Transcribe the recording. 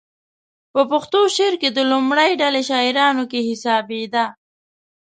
په پښتو شعر کې د لومړۍ ډلې شاعرانو کې حسابېده.